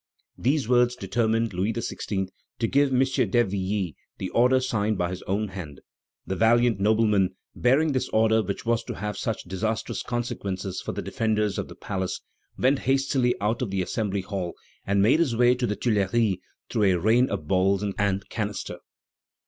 These words determined Louis XVI. to give M. d'Hervilly the order signed by his own hand; the valiant nobleman, bearing this order which was to have such disastrous consequences for the defenders of the palace, went hastily out of the Assembly hall and made his way to the Tuileries through a rain of balls and canister.